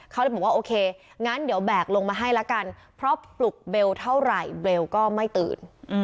เขาเลยบอกว่าโอเคงั้นเดี๋ยวแบกลงมาให้ละกันเพราะปลุกเบลเท่าไหร่เบลก็ไม่ตื่น